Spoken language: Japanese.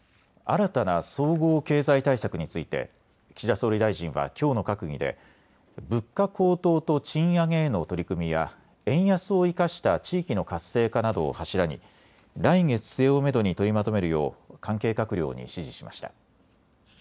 新たな総合経済対策について岸田総理大臣はきょうの閣議で物価高騰と賃上げへの取り組みや円安を生かした地域の活性化などを柱に来月末をめどに取りまとめるよう関係閣僚に指示しました。